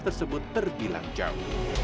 tersebut terbilang jauh